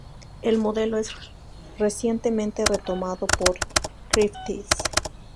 El modelo es recientemente retomado por Griffiths.